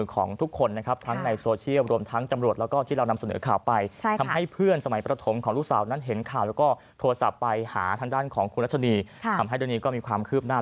ขอบคุณรัชนีทำให้ดังนี้ก็มีความคืบหน้า